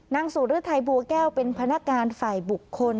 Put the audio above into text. ศูนย์ฤทัยบัวแก้วเป็นพนักงานฝ่ายบุคคล